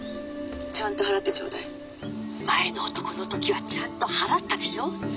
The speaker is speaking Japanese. ちゃんと払ってちょうだい」「前の男の時はちゃんと払ったでしょ？」